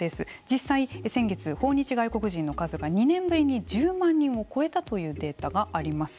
実際先月訪日外国人の数が２年ぶりに１０万人を超えたというデータがあります。